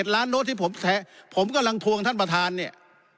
ล้านโดสที่ผมกำลังทวงท่านประธานเนี่ย